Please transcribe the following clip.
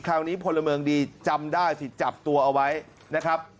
คราวนี้พลเมิงดีจำได้สิจับตัวเอาไว้นะครับ